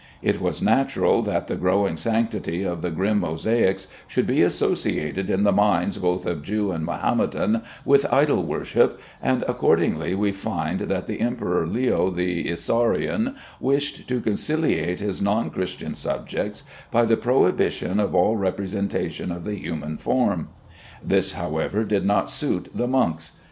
It was natural that the growing sanctity of the grim mosaics should be associated in the minds both of Jew and Mahometan with idol worship, and accordingly we find that the Emperor Leo the Isaurian wished to conciliate his non Christian subjects by the prohibition of all representation of the human form. This, however, did not suit the monks.